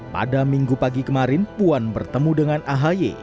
pada minggu pagi kemarin puan bertemu dengan ahy